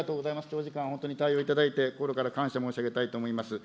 長時間、本当に対応いただいて、心から感謝申し上げたいと思います。